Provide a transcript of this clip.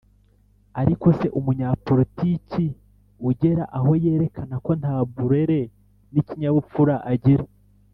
Ariko se, umunyapolitiki ugera aho yerekana ko nta burere n'ikinyabupfura agira